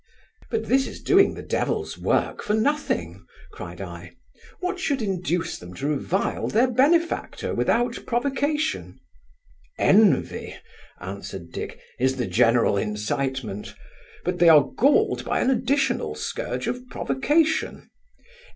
'But this is doing the devil's work for nothing (cried I). What should induce them to revile their benefactor without provocation?' 'Envy (answered Dick) is the general incitement; but they are galled by an additional scourge of provocation.